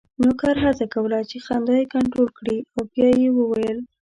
نوکر هڅه کوله چې خندا یې کنټرول کړي او بیا یې وویل: